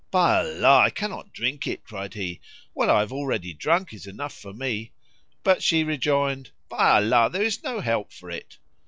"By Allah, I cannot drink it;" cried he, "what I have already drunk is enough for me;" but she rejoined, "By Allah, there is no help for it."